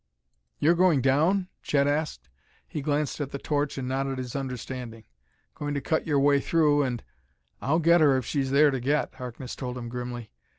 "You're going down?" Chet asked. He glanced at the torch and nodded his understanding. "Going to cut your way through and " "I'll get her if she's there to get," Harkness told him grimly.